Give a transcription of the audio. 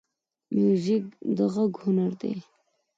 موزیک د غږ هنر دی.